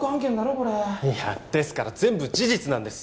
これいやですから全部事実なんです